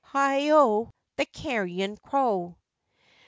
Heigho! the carrion crow.